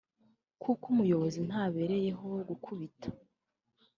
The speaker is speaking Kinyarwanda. kuko umuyobozi ntabereyeho gukubita